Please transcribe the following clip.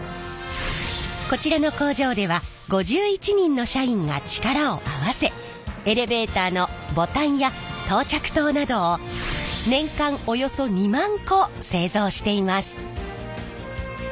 こちらの工場では５１人の社員が力を合わせエレベーターのボタンや到着灯などを年間およそ２万個製造しています。